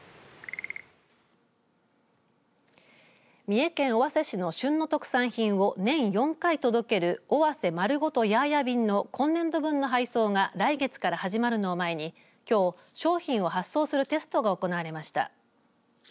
三重県尾鷲市の旬の特産品を年４回届ける尾鷲まるごとヤーヤ便の今月分の配送が来月から始まるのを前にきょう、商品を発送するテストが行われました。